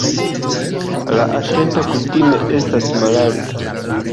La atento kutime estas malalta.